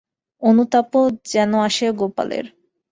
অনুতাপও যেন আসে গোপালের।